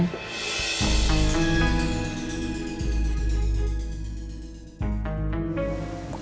ya itu juga